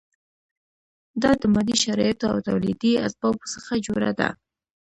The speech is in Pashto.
دا د مادي شرایطو او تولیدي اسبابو څخه جوړه ده.